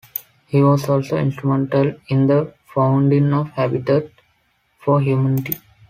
He was also instrumental in the founding of Habitat for Humanity.